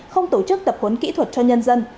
không tổ chức tập huấn kỹ thuật cho nhân dân